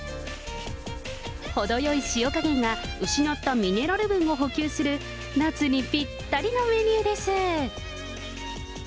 程よい塩加減が失ったミネラル分を補給する、夏にぴったりのメニューです。